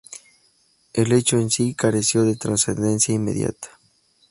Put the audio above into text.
El hecho en sí careció de trascendencia inmediata.